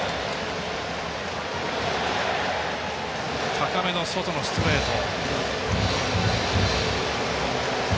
高めの外のストレート。